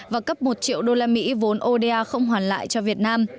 và cấp một triệu đô la mỹ vốn oda không hoàn lại cho việt nam